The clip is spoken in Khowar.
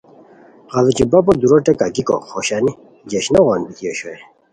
غیڑوچی بپو دُورہ ٹیکہ گیکو خوشانی جشنو غون بیتی اوشوئے